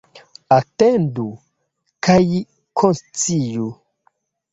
Atendu kaj konsciu.